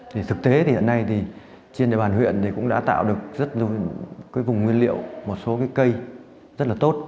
thì thực tế thì hiện nay thì trên địa bàn huyện thì cũng đã tạo được rất cái vùng nguyên liệu một số cái cây rất là tốt